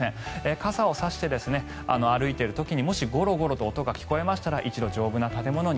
傘を差して歩いている時にもしゴロゴロと音が聞こえたら一度丈夫な建物の中に。